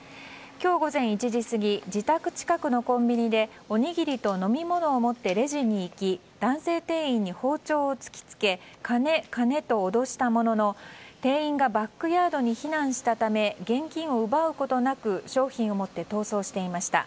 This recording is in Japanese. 今日午前１時過ぎ自宅近くのコンビニでおにぎりと飲み物を持ってレジに行き男性店員に包丁を突き付け金、金と脅したものの店員がバックヤードに避難したため現金を奪うことなく商品を持って逃走していました。